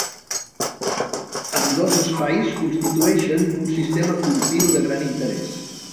Ambdós espais constitueixen un sistema continu de gran interès.